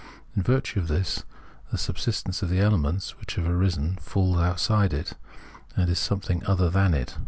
In virtue of this, the subsistence of the elements which have arisen falls outside it, and is something other than it.